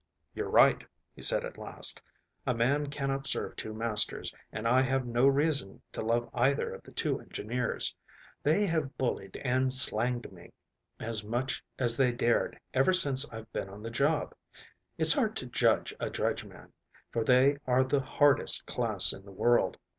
"You're right," he said at last, "a man cannot serve two masters, and I have no reason to love either of the two engineers. They have bullied and slanged me as much as they dared ever since I've been on the job. It's hard to judge a dredge man, for they are the hardest class in the world.